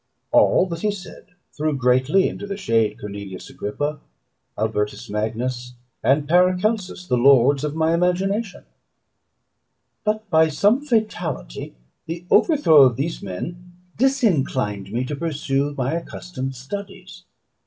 All that he said threw greatly into the shade Cornelius Agrippa, Albertus Magnus, and Paracelsus, the lords of my imagination; but by some fatality the overthrow of these men disinclined me to pursue my accustomed studies.